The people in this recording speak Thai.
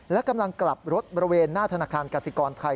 และกำลังกลับรถบริเวณหน้าธนาคารกสิกรไทย